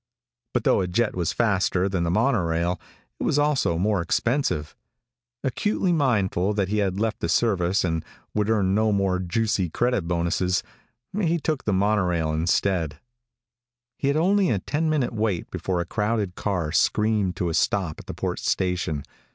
But though a jet was faster than the monorail it was also more expensive. Acutely mindful that he had left the service and would earn no more juicy credit bonuses, he took the monorail instead. He had only a ten minute wait before a crowded car screamed to a stop at the port station.